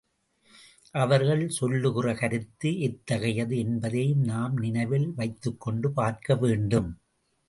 அவர்கள் சொல்லுகிற கருத்து எத்தகையது என்பதையும் நாம் நினைவில் வைத்துக்கொண்டு பார்க்க வேண்டும்.